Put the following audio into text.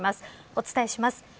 お伝えします。